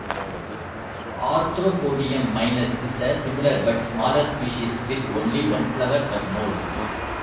"Arthropodium minus" is a similar but smaller species with only one flower per node.